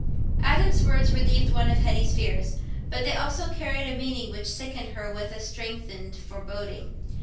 Adam's words relieved one of Hetty's fears, but they also carried a meaning which sickened her with a strengthened foreboding.